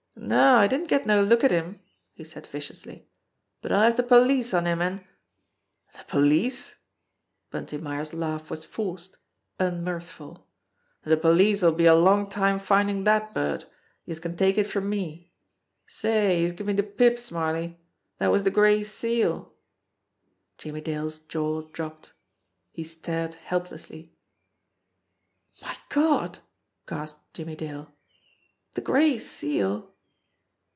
"No, I didn't get no look at him," he said viciously. "But I'll have the police on him, and " "De police !" Bunty Myers' laugh was forced, unmirthful. "De police'll be a long time findin' dat bird, youse can take it from me ! Say, youse give me de pip, Smarly ! Dat was de Gray Seal !" Jimmie Dale's jaw dropped. He stared helplessly. "My God!" gasped Jimmie Dale. "The Gray Seal!